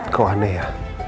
kok aneh ya